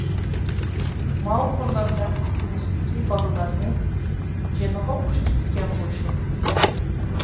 ماۋۇ قۇرلاردا ئىزدىنىشتىكى بالىلارنى جىنغا ئوخشىتىپتىكەن بۇ شۇم.